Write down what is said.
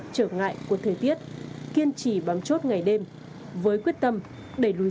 trở ngại của thời tiết kiên trì bám chốt ngày đêm với quyết tâm đẩy lùi dịch bệnh